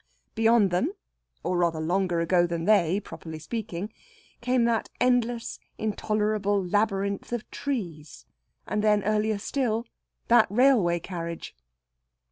Beyond them or rather, longer ago than they, properly speaking came that endless, intolerable labyrinth of trees, and then, earlier still, that railway carriage.